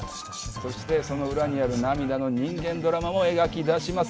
そして、その裏にある涙の人間ドラマも描きだします。